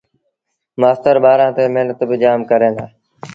مآستر ٻآرآݩ تي مهنت با جآم ڪريݩ دآ